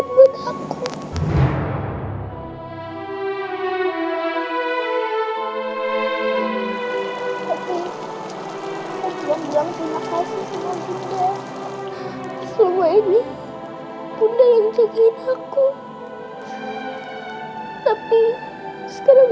aku tapi aku bilang terima kasih semua bunda semua ini bunda yang jagain aku tapi sekarang